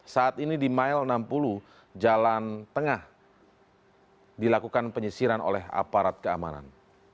saat ini di mile enam puluh jalan tengah dilakukan penyisiran oleh aparat keamanan